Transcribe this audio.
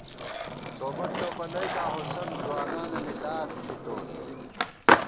سوبت ٹوپلَئیکاں ہوسند ځوانانَنی لاد تھی تول